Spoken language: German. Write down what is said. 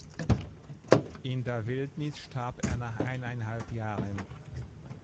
In der Wildnis starb er nach eineinhalb Jahren.